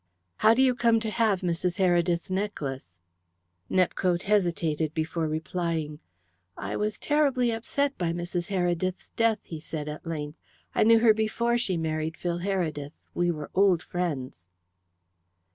"How do you come to have Mrs. Heredith's necklace?" Nepcote hesitated before replying. "I was terribly upset by Mrs. Heredith's death," he said at length. "I knew her before she married Phil Heredith. We were old friends."